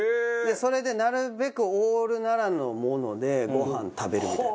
それでなるべくオール奈良のものでごはん食べるみたいな。